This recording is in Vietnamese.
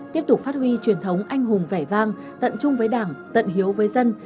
tiếp tục phát huy truyền thống anh hùng vẻ vang tận chung với đảng tận hiếu với dân